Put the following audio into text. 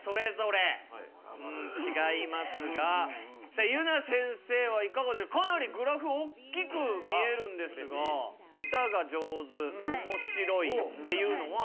さあゆな先生はいかがでかなりグラフおっきく見えるんですが「歌が上手」「おもしろい」っていうのは？